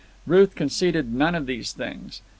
Ruth conceded none of these things.